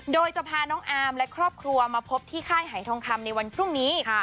โดยจะพาน้องอาร์มและครอบครัวมาพบที่ค่ายหายทองคำในวันพรุ่งนี้